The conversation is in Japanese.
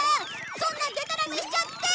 そんなでたらめしちゃって！